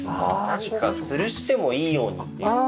何かつるしてもいいようにっていう事で。